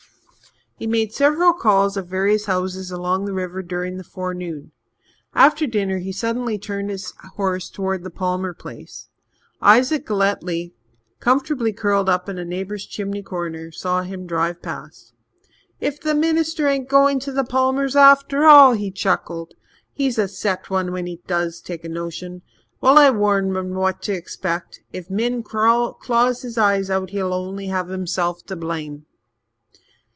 He made several calls at various houses along the river during the forenoon. After dinner he suddenly turned his horse towards the Palmer place. Isaac Galletly, comfortably curled up in a neighbour's chimney corner, saw him drive past. "Ef the minister ain't goin' to Palmers' after all!" he chuckled. "He's a set one when he does take a notion. Well, I warned him what to expect. If Min claws his eyes out, he'll only have himself to blame."